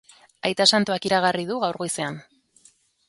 Aita santuak iragarri du gaur goizean.